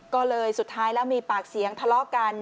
ก็เลยสุดท้ายแล้วมีปากเสียงทะเลาะกัน